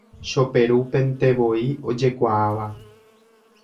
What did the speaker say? Choperupentevoi ojekuaáva.